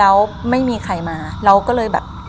แล้วไม่มีใครมาเราก็เลยแบบ